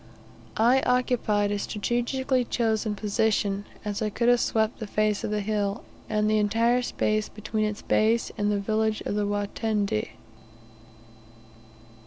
I occupied a strategically chosen position, as I could have swept the face of the hill, and the entire space between its base and the village of Watende.